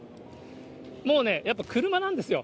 もうね、やっぱ車なんですよ。